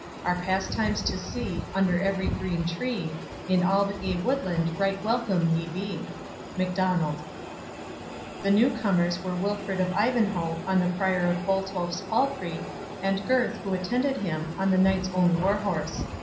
Our pastimes to see, Under every green tree, In all the gay woodland, right welcome ye be. MACDONALD The new comers were Wilfred of Ivanhoe, on the Prior of Botolph's palfrey, and Gurth, who attended him, on the Knight's own war horse.